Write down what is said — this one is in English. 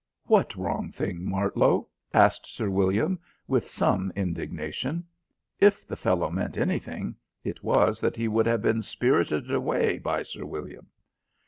"What wrong thing, Martlow?" asked Sir William with some indignation. If the fellow meant anything, it was that he would have been spirited away by Sir William.